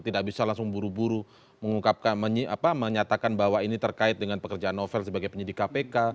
tidak bisa langsung buru buru menyatakan bahwa ini terkait dengan pekerjaan novel sebagai penyidik kpk